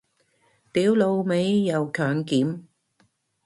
屌老味又強檢